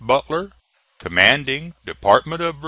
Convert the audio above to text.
BUTLER, Commanding Department of Va.